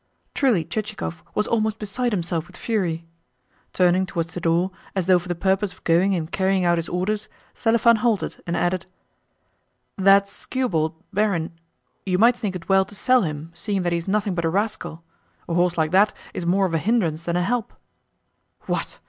Truly Chichikov was almost beside himself with fury. Turning towards the door, as though for the purpose of going and carrying out his orders, Selifan halted and added: "That skewbald, barin you might think it well to sell him, seeing that he is nothing but a rascal? A horse like that is more of a hindrance than a help." "What?